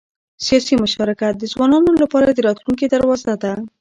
سیاسي مشارکت د ځوانانو لپاره د راتلونکي دروازه ده